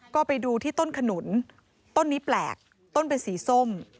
ก็ไปดูที่ต้นขนุนต้นนี้แปลกต้นเป็นสีส้ม